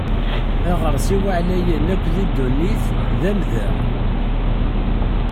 Aɣersiw aɛlayen akk deg ddunit d amdeɣ.